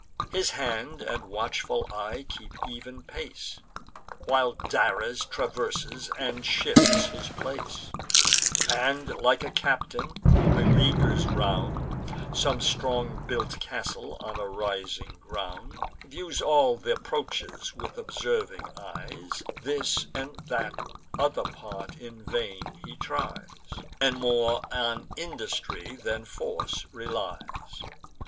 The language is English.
His hand and watchful eye keep even pace; While Dares traverses and shifts his place, And, like a captain who beleaguers round Some strong built castle on a rising ground, Views all th' approaches with observing eyes: This and that other part in vain he tries, And more on industry than force relies.